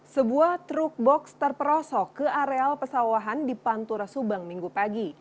sebuah truk box terperosok ke areal pesawahan di pantura subang minggu pagi